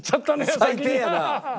最低やな。